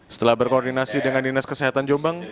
setelah berkoordinasi dengan dinas kesehatan jombang